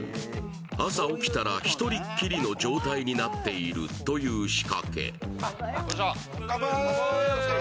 朝起きたら一人っきりの状態になっているという仕掛け。